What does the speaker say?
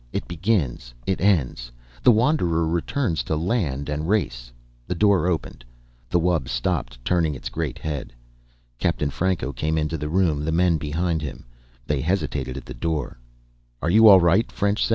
It begins, it ends. The wanderer returns to land and race...." The door opened. The wub stopped, turning its great head. Captain Franco came into the room, the men behind him. They hesitated at the door. "Are you all right?" French said.